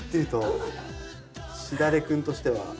しだれくんとしては。